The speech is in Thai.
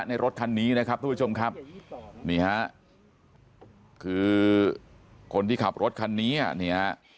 รถคันนี้นะครับทุกผู้ชมครับนี่ฮะคือคนที่ขับรถคันนี้อ่ะนี่ฮะ